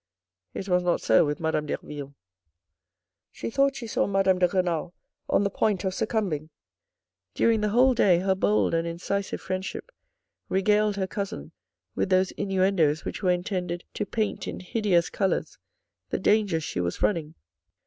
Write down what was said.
It was not so with Madame Derville. She thought she saw Madame de Renal on the point of succumbing. During the whole day her bold and incisive friendship regaled her cousin with those inuendoes which were intended to paint in hideous colours the dangers she was running.